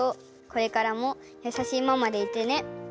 これからもやさしいママでいてね。